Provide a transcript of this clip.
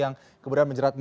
lakukan untuk memperbaiki